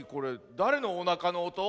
だれのおなかのおと？